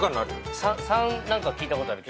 ３何か聞いたことある。